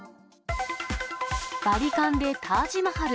バリカンでタージマハル。